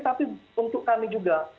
tapi untuk kami juga